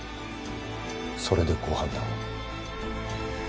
それでご判断を？